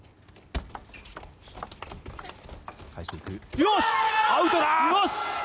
よし、アウトだ！